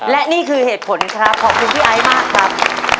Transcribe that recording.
และนี่คือเหตุผลครับขอบคุณพี่ไอซ์มากครับ